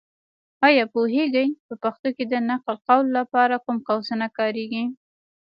ایا پوهېږې؟ په پښتو کې د نقل قول لپاره کوم قوسونه کارېږي.